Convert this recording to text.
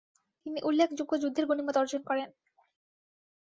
তিনি উল্লেখযোগ্য যুদ্ধের গণিমত অর্জন করেন।